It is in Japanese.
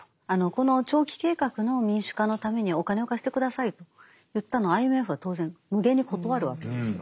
この長期計画の民主化のためにお金を貸して下さいと言ったのをＩＭＦは当然むげに断るわけですよ。